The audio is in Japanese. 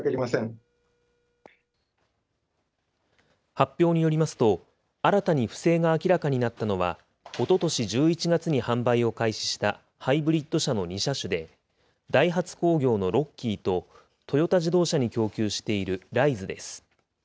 発表によりますと、新たに不正が明らかになったのは、おととし１１月に販売を開始したハイブリッド車の２車種で、ダイハツ工業のロッキーと、トヨタ自動車に供給しているライズです。